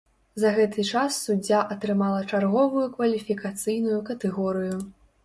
За гэты час суддзя атрымала чарговую кваліфікацыйную катэгорыю.